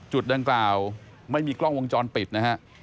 จุดดังกล่าวไม่มีกล้องวงจรปิดนะฮะ